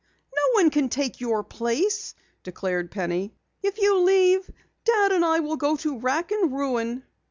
"No one can take your place," declared Penny. "If you leave, Dad and I will go to wrack and ruin."